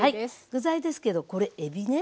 具材ですけどこれえびね。